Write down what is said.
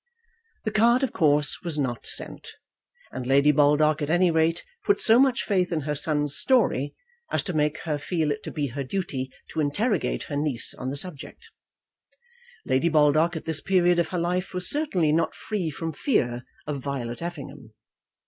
The card of course was not sent, and Lady Baldock at any rate put so much faith in her son's story as to make her feel it to be her duty to interrogate her niece on the subject. Lady Baldock at this period of her life was certainly not free from fear of Violet Effingham.